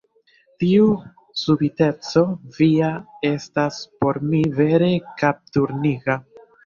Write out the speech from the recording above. Tiu subiteco via estas por mi vere kapturniga.